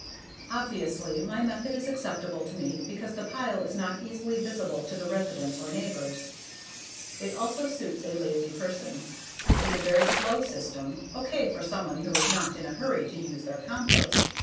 Obviously my method is acceptable to me because the pile is not easily visible to the residents or neighbors. It also suits a lazy person. It is a very slow system, okay for someone who is not in a hurry to use their compost.